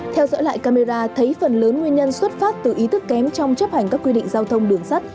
theo dõi lại camera thấy phần lớn nguyên nhân xuất phát từ ý thức kém trong chấp hành các quy định giao thông đường sắt